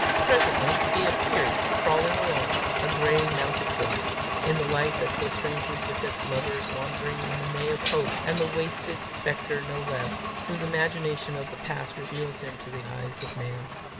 Presently he appeared, crawling along, a gray mounted ghost, in the light that so strangely befits lovers wandering in the May of hope, and the wasted spectre no less, whose imagination of the past reveals him to the eyes of men.